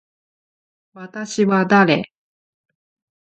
私は誰。